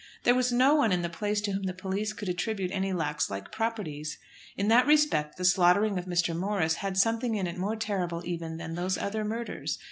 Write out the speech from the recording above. There was no one in the place to whom the police could attribute any Lax like properties. In that respect, the slaughtering of Mr. Morris had something in it more terrible even than those other murders.